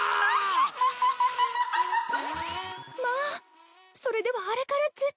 まあそれではあれからずっと？